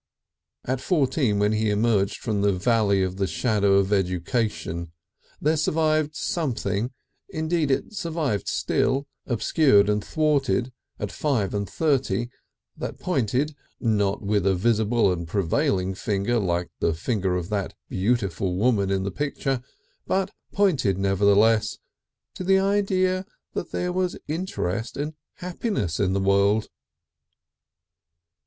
At fourteen, when he emerged from the valley of the shadow of education, there survived something, indeed it survived still, obscured and thwarted, at five and thirty, that pointed not with a visible and prevailing finger like the finger of that beautiful woman in the picture, but pointed nevertheless to the idea that there was interest and happiness in the world.